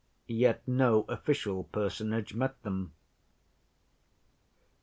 Yet no official personage met them.